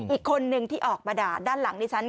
อีกคนนึงที่ออกมาด่าด้านหลังดิฉัน